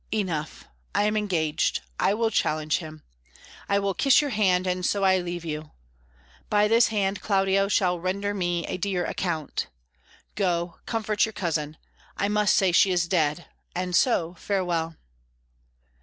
"Enough; I am engaged. I will challenge him. I will kiss your hand, and so I leave you. By this hand, Claudio shall render me a dear account. Go, comfort your cousin. I must say she is dead. And so, farewell."